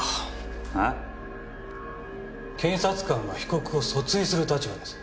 検察官は被告を訴追する立場です。